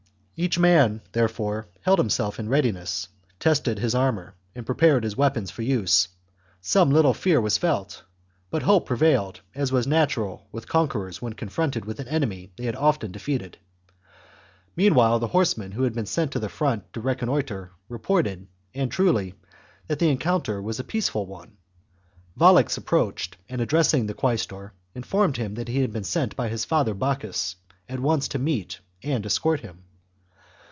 Each man, therefore, held himself in readiness, tested his armour, and prepared his weapons for use ; some little fear was felt, but hope prevailed, as was natural with conquerors when confronted with an enemy they had often de feated. Meanwhile the horsemen who had been sent to the front to reconnoitre, reported, and truly, that the encounter was a peaceful one. Volux approached, and, chap. addressing the quaestor, informed him that he had been sent by his father Bocchus at once to meet and escort him.